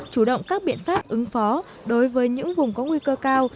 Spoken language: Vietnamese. chủ động các biện pháp ứng phó đối với những vùng có nguy cơ cao